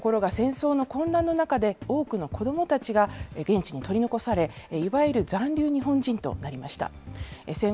ところが、戦争の混乱の中で、多くの子どもたちが現地に取り残され、いわゆる残留日本人となりました。